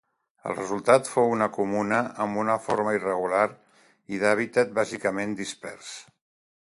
El resultat fou una comuna amb una forma irregular i d'hàbitat bàsicament dispers.